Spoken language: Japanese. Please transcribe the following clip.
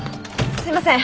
すいません